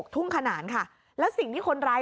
ทุ่งขนานค่ะแล้วสิ่งที่คนร้าย